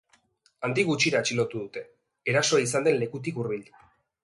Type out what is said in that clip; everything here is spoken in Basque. Handik gutxira atxilotu dute, erasoa izan den lekutik hurbil.